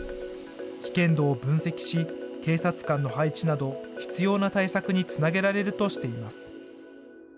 危険度を分析し、警察官の配置など、必要な対策につなげられるとしています。